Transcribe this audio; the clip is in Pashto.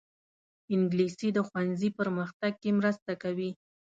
انګلیسي د ښوونځي پرمختګ کې مرسته کوي